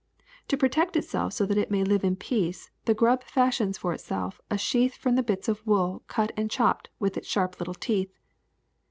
To protect itself so that it may live in peace, the grub fashions for itself a sheath from the bits of wool cut and chopped with its sharp little teeth.